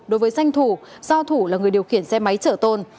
đối với danh thủ do thủ là người điều khiển xe máy chở tôn